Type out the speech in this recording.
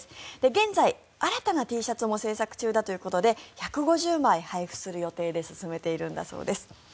現在、新たなＴシャツも制作中だということで１５０枚配布する予定で進めているんだそうです。